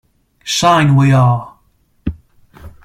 Shine We Are!